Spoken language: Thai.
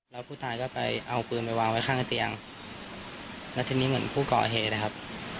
แล้วผู้ตายก็ไปเอาปืนไปวางไว้ข้างเตียงแล้วทีนี้เหมือนผู้ก่อเหตุนะครับ